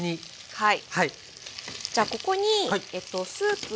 はい。